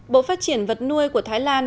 bộ phát triển vật nuôi của thái lan